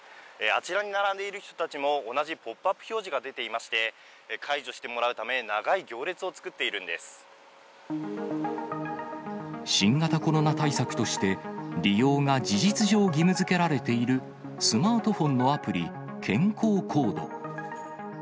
あちらに並んでいる人たちも、同じポップアップ表示が出ていまして、解除してもらうため、新型コロナ対策として、利用が事実上義務づけられているスマートフォンのアプリ、健康コード。